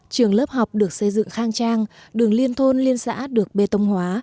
trường lớp học được xây dựng khang trang đường liên thôn liên xã được bê tông hóa